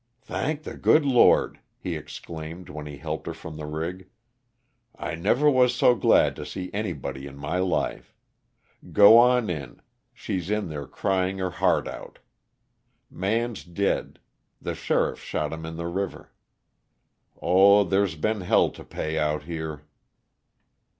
"Thank the good Lord!" he exclaimed when he helped her from the rig. "I never was so glad to see anybody in my life. Go on in she's in there crying her heart out. Man's dead the sheriff shot him in the river oh, there's been hell to pay out here!"